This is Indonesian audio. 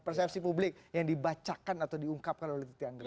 persepsi publik yang dibacakan atau diungkapkan oleh titi anggra